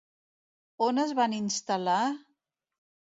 On es van instal·lar?